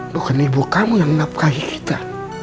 bukan ibu kamu yang napkahi kita